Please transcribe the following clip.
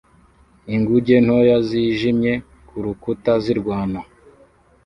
inguge ntoya zijimye kurukuta zirwana